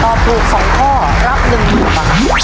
ตอบถูก๒ข้อรับ๑๐๐๐บาท